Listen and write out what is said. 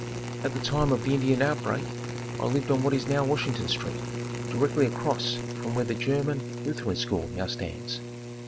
At the time of the Indian outbreak I lived on what is now Washington street, directly across from where the German Lutheran school now stands.